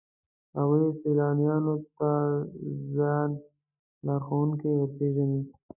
هغوی سیلانیانو ته ځان لارښوونکي ورپېژني.